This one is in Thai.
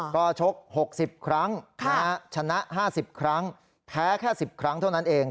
ก็ชก๖๐ครั้งชนะ๕๐ครั้งแพ้แค่๑๐ครั้งเท่านั้นเอง